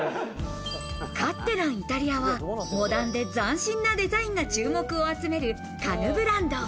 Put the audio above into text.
カッテランイタリアはモダンで斬新なデザインが注目を集める家具ブランド。